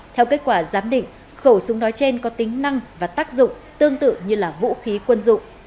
theo kết quả giám định khẩu súng đói trên có tính năng và tác dụng tương tự như là vũ khí quân dụng